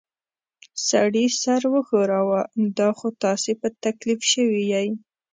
سړي سر وښوراوه: دا خو تاسې په تکلیف شوي ییۍ.